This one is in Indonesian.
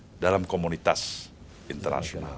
belah terang dalam komunitas internasional